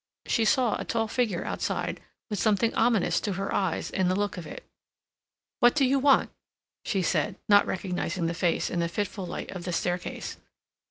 She saw a tall figure outside, with something ominous to her eyes in the look of it. "What do you want?" she said, not recognizing the face in the fitful light of the staircase.